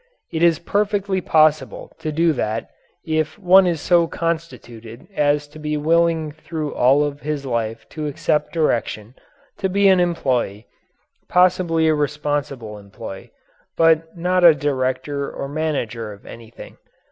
It is perfectly possible to do that if one is so constituted as to be willing through all of his life to accept direction, to be an employee, possibly a responsible employee, but not a director or manager of anything.